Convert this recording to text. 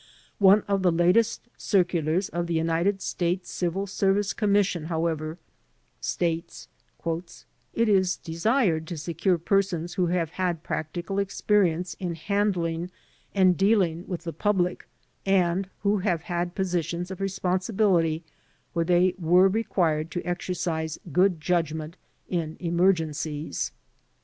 One of the latest circulars of the United States Civil Service Commission, however, states, "It is desired to secure persons who have had practical experience in handling and dealing with the public and who have had positions of responsibility where they were required to exercise good judgment in emer gencies."